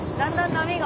波が。